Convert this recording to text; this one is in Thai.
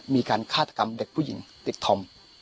มีการฆาตกรรมเด็กผู้หญิงติดธอม